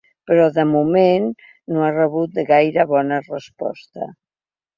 Però de moment no ha rebut gaire bona resposta.